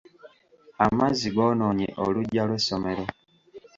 Amazzi goonoonye oluggya lw'essomero.